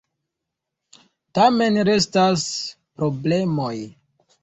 Tamen restas problemoj.